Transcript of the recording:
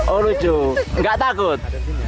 oh lucu gak takut